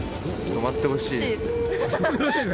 止まってほしい。